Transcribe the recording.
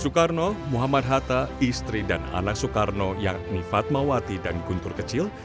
soekarno muhammad hatta istri dan anak soekarno yang nifat mawwati dan kuntur kecil